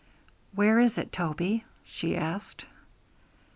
'Where is it, Toby?' she asked.